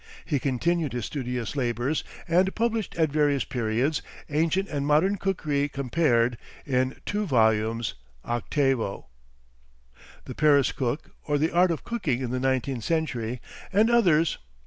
He continued his studious labors, and published at various periods "Ancient and Modern Cookery Compared," in two volumes, octavo, "The Paris Cook, or the Art of Cooking in the Nineteenth Century," and others.